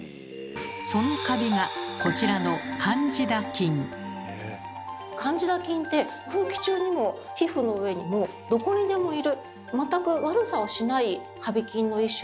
そのカビがこちらのカンジダ菌って空気中にも皮膚の上にもどこにでもいる全く悪さをしないカビ菌の一種なんですね。